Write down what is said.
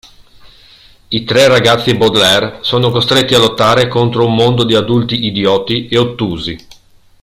I tre ragazzi Baudelaire sono costretti a lottare contro un mondo di adulti idioti e ottusi.